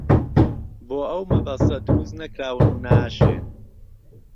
بۆ ئەو مەبەستە درووست نەکراون و ناشێن